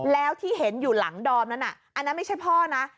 แล้วที่เห็นอยู่หลังดอมนั้นอันนั้นไม่ใช่พ่อนะ